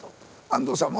安藤さん